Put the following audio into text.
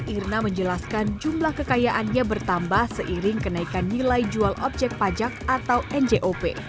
irna menjelaskan jumlah kekayaannya bertambah seiring kenaikan nilai jual objek pajak atau njop